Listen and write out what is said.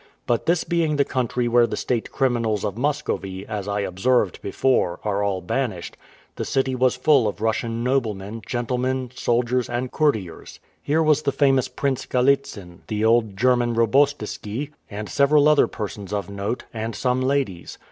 But this being the country where the state criminals of Muscovy, as I observed before, are all banished, the city was full of Russian noblemen, gentlemen, soldiers, and courtiers. Here was the famous Prince Galitzin, the old German Robostiski, and several other persons of note, and some ladies.